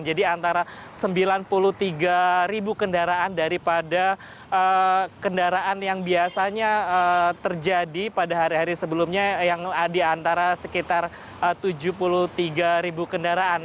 jadi antara sembilan puluh tiga ribu kendaraan daripada kendaraan yang biasanya terjadi pada hari hari sebelumnya yang ada antara sekitar tujuh puluh tiga ribu kendaraan